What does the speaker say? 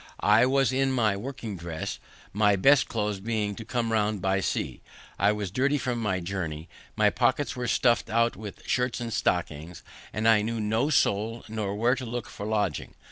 I was in my working dress, my best clothes being to come round by sea. I was dirty from my journey; my pockets were stuff'd out with shirts and stockings, and I knew no soul nor where to look for lodging.